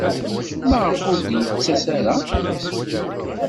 Maɣef ur d-yettas ara?